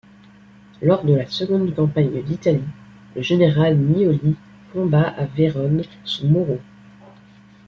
Lors de la seconde campagne d'Italie, le général Miollis combat à Vérone sous Moreau.